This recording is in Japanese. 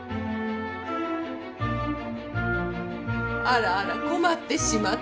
あらあら困ってしまって？